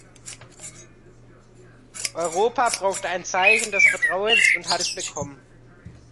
Europa brauchte ein Zeichen des Vertrauens und hat es bekommen.